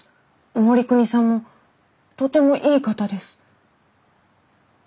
護国さんもとてもいい方です。